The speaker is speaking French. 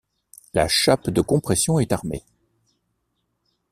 La chape de compression est armée.